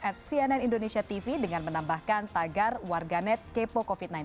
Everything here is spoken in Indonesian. at cnn indonesia tv dengan menambahkan tagar warganet kepo covid sembilan belas